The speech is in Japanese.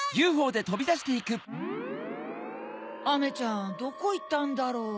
アメちゃんどこいったんだろう。